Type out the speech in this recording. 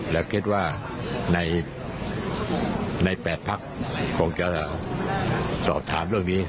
แล้วคิดว่าใน๘พักคงจะสอบถามเรื่องนี้